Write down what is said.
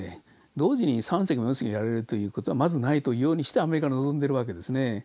同時に３隻も４隻もやられる事はまずないというようにしてアメリカは臨んでるわけですね。